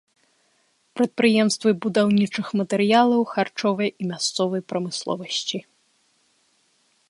Прадпрыемствы будаўнічых матэрыялаў, харчовай і мясцовай прамысловасці.